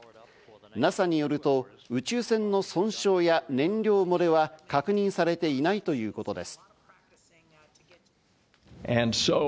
ＮＡＳＡによると、宇宙船の損傷や燃料漏れは確認されていないということです。